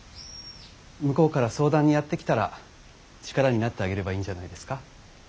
向こうから相談にやって来たら力になってあげればいいんじゃないですか。